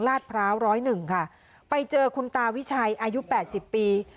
พร้าวร้อยหนึ่งค่ะไปเจอคุณตาวิชัยอายุแปดสิบปี